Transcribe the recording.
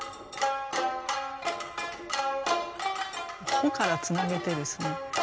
帆からつなげてですね